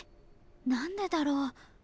何でだろう？